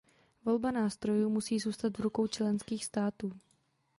Volba nástrojů musí zůstat v rukou členských států.